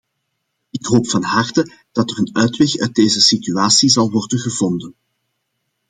Ik hoop van harte dat er een uitweg uit deze situatie zal worden gevonden.